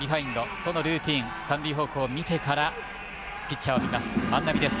そのルーティン、三塁方向を見てピッチャーを見ます、万波です。